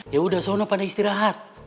ya udah sono pada istirahat